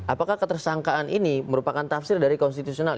apakah ketersangkaan ini merupakan tafsir dari konstitusional